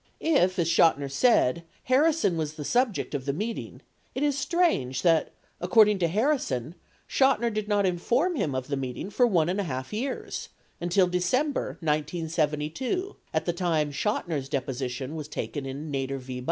If, as Chotiner said, Harrison was the subject of the meeting, it, is strange that, according to Harrison, Chotiner did not inform him of the meeting for 114 years— until December 1972, at the time Chotiner's deposition was taken in Nader v.